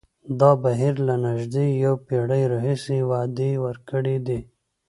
دا بهیر له نژدې یوه پېړۍ راهیسې وعدې ورکړې دي.